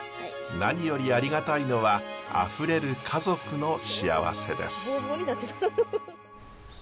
何よりありがたいのはあふれる家族の幸せです。